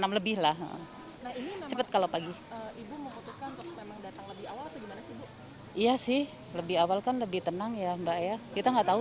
setengah enam lebih lah cepet kalau pagi iya sih lebih awal kan lebih tenang ya mbak ya kita nggak tahu